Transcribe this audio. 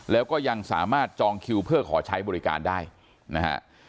แล้วก็ยังสามารถจองคิวเพื่อขอใช้บริการได้นะฮะ